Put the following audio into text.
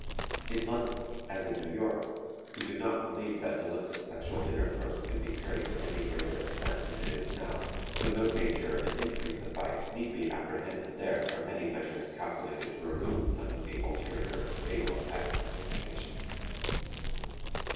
In London, as in New York, we do not believe that illicit sexual intercourse can be carried to any greater extent than it is now; so no danger of an increase of vice need be apprehended there from any measures calculated to remove some of the ulterior and fatal effects of dissipation.